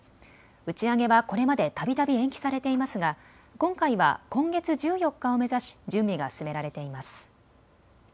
打ち上げはこれまでたびたび延期されていますが今回は今月１４日を目指し準備が進められています。